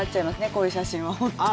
こういう写真は本当に。